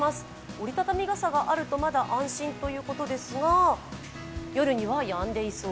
折り畳み傘があるとまだ安心ということですが夜には、やんでいそう。